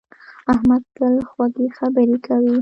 احمد تل خوږې خبرې کوي.